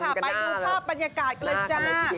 ไปดูภาพบรรยากาศกันเลยจ้า